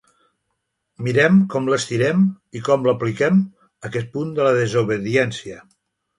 Mirem com l’estirem i com l’apliquem, aquest punt de la desobediència.